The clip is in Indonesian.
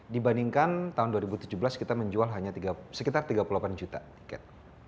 dibandingkan tahun dua ribu tujuh belas kita menjual sekitar tiga puluh delapan juta tiket